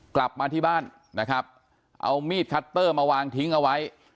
กลับมาที่บ้านนะครับเอามีดคัตเตอร์มาวางทิ้งเอาไว้